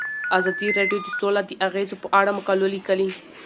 ازادي راډیو د سوله د اغیزو په اړه مقالو لیکلي.